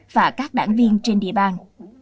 và các đảng viên trên địa bàn